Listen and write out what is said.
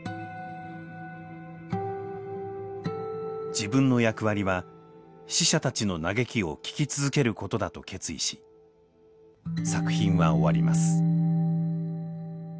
自分の役割は死者たちの嘆きを聞きつづけることだと決意し作品は終わります。